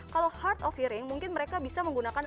kalau heart of hearing mungkin mereka bisa menggunakan